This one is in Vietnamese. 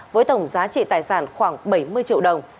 với tổng giá trị tài sản khoảng bảy mươi triệu đồng